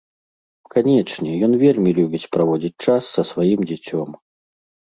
Канечне, ён вельмі любіць праводзіць час са сваім дзіцём.